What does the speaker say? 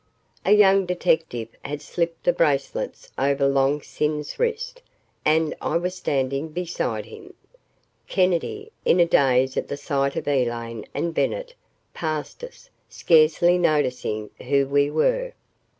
A young detective had slipped the bracelets over Long Sin's wrist, and I was standing beside him. Kennedy, in a daze at the sight of Elaine and Bennett, passed us, scarcely noticing who we were.